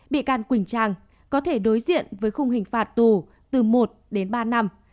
bị can quỳnh trang có thể đối diện với khung hình phạt tù từ một đến ba năm